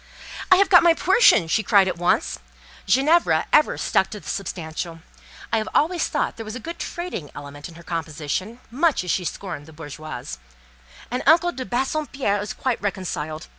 "I have got my portion!" she cried at once; (Ginevra ever stuck to the substantial; I always thought there was a good trading element in her composition, much as she scorned the "bourgeoise;") "and uncle de Bassompierre is quite reconciled.